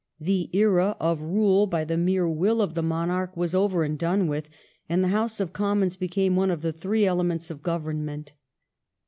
The era of rule by the mere will of the monarch was over and done with, and the House of Commons became one of the three elements of government.